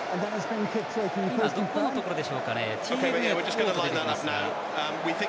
どのところでしょうか。